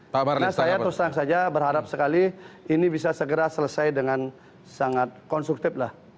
karena saya terus terang saja berharap sekali ini bisa segera selesai dengan sangat konstruktif lah